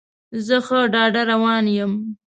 زه ښه ډاډه روان یم.